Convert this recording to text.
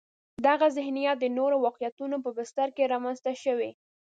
دغه ذهنیت د نورو واقعیتونو په بستر کې رامنځته شوی.